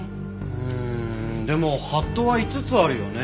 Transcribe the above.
うんでも法度は５つあるよね。